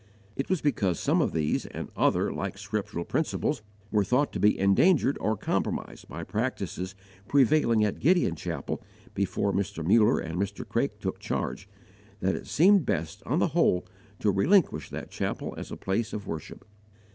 It was because some of these and other like scriptural principles were thought to be endangered or compromised by practices prevailing at Gideon Chapel before Mr. Muller and Mr. Craik took charge, that it seemed best on the whole to relinquish that chapel as a place of worship.